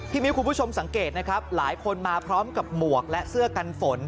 มิ้วคุณผู้ชมสังเกตนะครับหลายคนมาพร้อมกับหมวกและเสื้อกันฝน